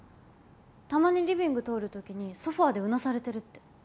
たまにリビング通る時にソファでうなされてるって。